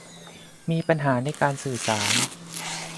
มีปัญหาในการสื่อสาร